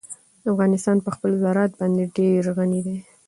افغانستان په خپل زراعت باندې ډېر غني دی.